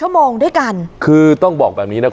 แล้วก็ไปซ่อนไว้ในคานหลังคาของโรงรถอีกทีนึง